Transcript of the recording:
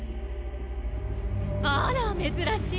あら珍しい！